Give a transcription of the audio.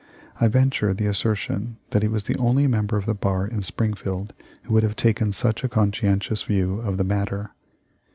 I venture the assertion that he was the only member of the bar in Spring held who would have taken such a conscientious view of the matter.